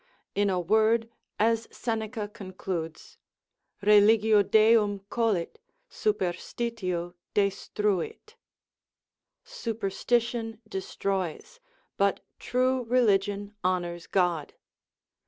In a word, as Seneca concludes, Religio Deum colit, superstitio destruit, superstition destroys, but true religion honours God.